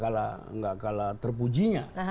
tidak kalah terpujinya